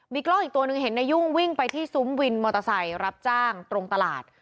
กล้องอีกตัวหนึ่งเห็นนายุ่งวิ่งไปที่ซุ้มวินมอเตอร์ไซค์รับจ้างตรงตลาด